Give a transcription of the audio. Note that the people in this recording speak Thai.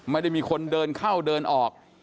ไม่ได้มีคนเดินเข้าเดินออก